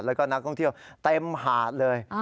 แล้วก็นักท่องเที่ยวเต็มหาดเลย